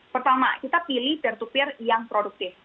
pertama kita pilih peer to peer yang produktif